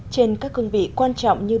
trên các cương vị quan trọng nhất